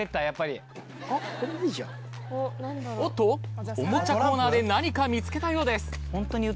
おっとおもちゃコーナーで何か見つけたようです。